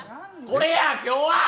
これや、今日は！